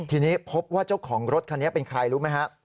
ทีนี้พบว่าเจ้าของรถคันนี้เป็นใครรู้ไหมฮะ